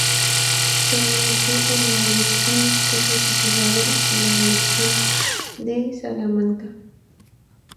Pronunció en Madrid un discurso titulado "La lección de Salamanca".